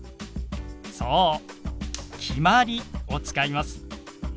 そう「決まり」を使います。